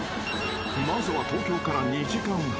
［まずは東京から２時間半］